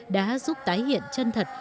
đã giúp tái hiện chân thật